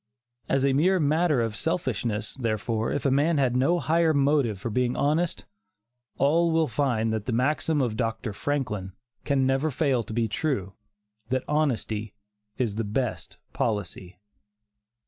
As a mere matter of selfishness, therefore, if a man had no higher motive for being honest, all will find that the maxim of Dr. Franklin can never fail to be true, that "honesty is the best policy."